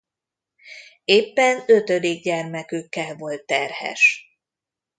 Éppen ötödik gyermekükkel volt terhes.